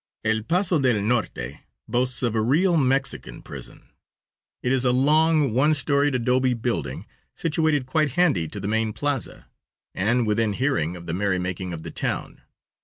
El Paso del Norte boasts of a real Mexican prison. It is a long, one storied adobe building, situated quite handy to the main plaza, and within hearing of the merry making of the town.